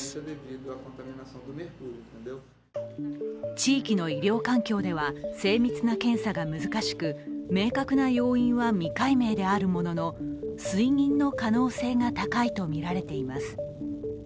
地域の医療環境では、精密な検査が難しく、明確な要因は未解明であるものの水銀の可能性が高いとみられています。